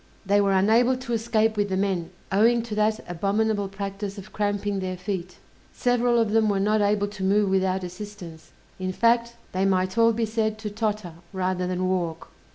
They were unable to escape with the men, owing to that abominable practice of cramping their feet: several of them were not able to move without assistance, in fact, they might all be said to totter, rather than walk.